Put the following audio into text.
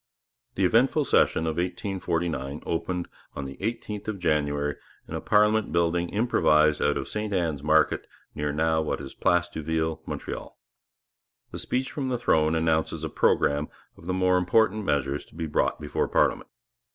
The eventful session of 1849 opened on the eighteenth of January, in a parliament building improvised out of St Anne's market near what is now Place d'Youville, Montreal. The Speech from the Throne announces a programme of the more important measures to be brought before parliament.